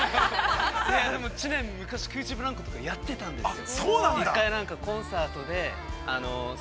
◆でも知念、昔、空中ブランコとかやっていたんですよ。